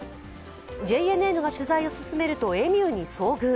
ＪＮＮが取材を進めるとエミューに遭遇。